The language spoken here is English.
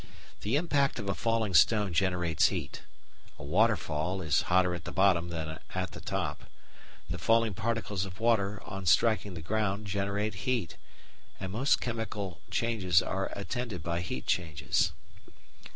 The impact of a falling stone generates heat; a waterfall is hotter at the bottom than at the top the falling particles of water, on striking the ground, generate heat; and most chemical changes are attended by heat changes.